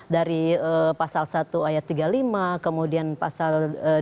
dari pasal satu ayat tiga puluh lima kemudian pasal dua ratus tujuh puluh lima